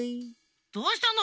どうしたの？